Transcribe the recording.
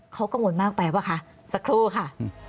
เขากังวลมากไปป่ะคะสักครู่ค่ะ